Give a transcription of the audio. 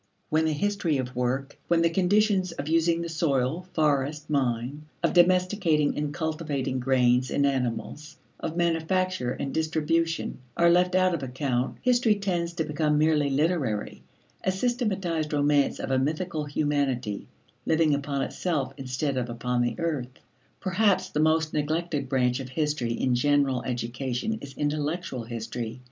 When the history of work, when the conditions of using the soil, forest, mine, of domesticating and cultivating grains and animals, of manufacture and distribution, are left out of account, history tends to become merely literary a systematized romance of a mythical humanity living upon itself instead of upon the earth. Perhaps the most neglected branch of history in general education is intellectual history.